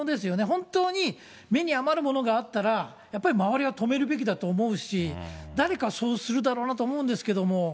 本当に目に余るものがあったら、やっぱり周りは止めるべきだと思うし、誰かそうするだろうなと思うんですけども。